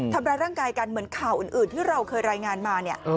ทำร้ายร่างกายกันเหมือนข่าวอื่นที่เราเคยรายงานมาเนี่ย